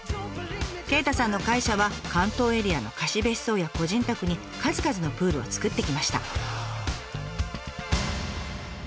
鯨太さんの会社は関東エリアの貸別荘や個人宅に数々のプールを作ってきました。